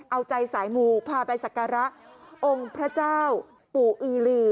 เอาใจสายมูพาไปสักการะองค์พระเจ้าปู่อือลือ